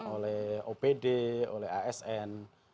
oleh opd oleh asn